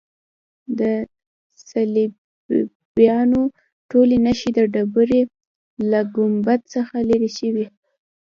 د صلیبیانو ټولې نښې د ډبرې له ګنبد څخه لیرې شوې.